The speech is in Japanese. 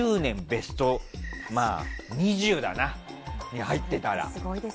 ベスト２０だなに入ってたら。